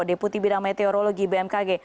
deputi bidang meteorologi bmkg